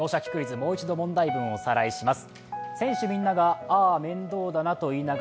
もう一度問題文をおさらいします。